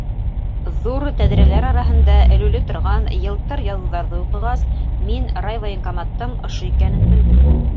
Ҙур тәҙрәләр араһында элеүле торған йылтыр яҙыуҙарҙы уҡығас, мин райвоенкоматтың ошо икәнен белдем.